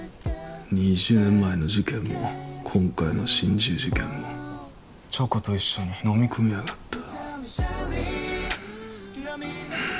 ２０年前の事件も今回の心中事件もチョコと一緒にのみ込みやがった。